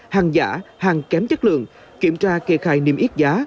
hàng giả hàng kém chất lượng kiểm tra kê khai niêm yết giá